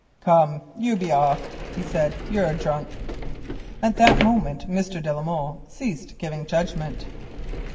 "Come, you be off," he said, "you're drunk." At that moment Mr. de la Molle ceased giving judgment.